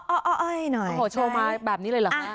โอ้โหโชว์มาแบบนี้เลยเหรอคะ